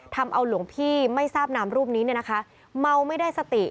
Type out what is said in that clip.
ทำเอาหลวงพี่ไม่ทราบนามรูปนี้เนี่ยนะคะเมาไม่ได้สติ